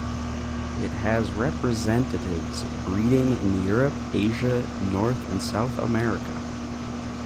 It has representatives breeding in Europe, Asia, North, and South America.